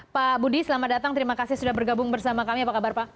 pak budi selamat datang terima kasih sudah bergabung bersama kami apa kabar pak